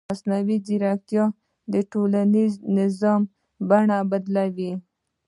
مصنوعي ځیرکتیا د ټولنیز نظم بڼه بدلوي.